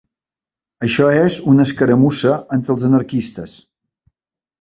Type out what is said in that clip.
Això és una escaramussa entre els anarquistes